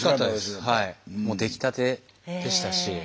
もう出来たてでしたし。